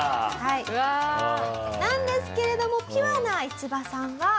うわあ。なんですけれどもピュアなイチバさんは。